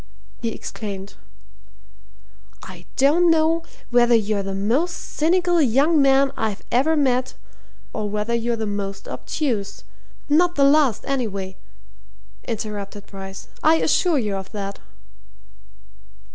he exclaimed. "I don't know whether you're the most cynical young man I ever met, or whether you're the most obtuse " "Not the last, anyway," interrupted Bryce. "I assure you of that!"